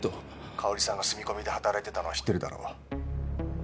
香織さんが住み込みで働いてたのは知ってるだろう？